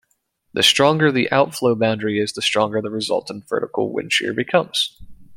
The stronger the outflow boundary is, the stronger the resultant vertical wind shear becomes.